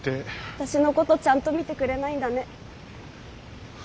私のことちゃんと見てくれないんだね。